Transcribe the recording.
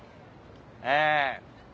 ええ。